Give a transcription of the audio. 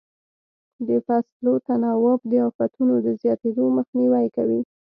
د فصلو تناوب د افتونو د زیاتېدو مخنیوی کوي.